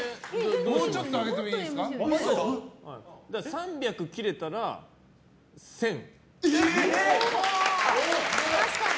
３００切れたら、１０００。